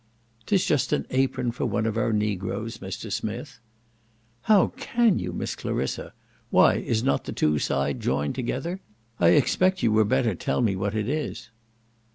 "Tis just an apron for one of our Negroes, Mr. Smith." "How can you. Miss Clarissa! why is not the two side joined together? I expect you were better tell me what it is."